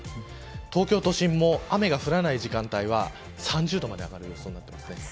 東京都心も雨が降らない時間帯は３０度まで上がる予想になっています。